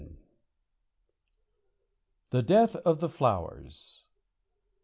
] THE DEATH OF THE FLOWERS.